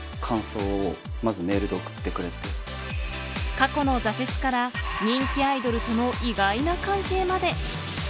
過去の挫折から人気アイドルとの意外な関係まで。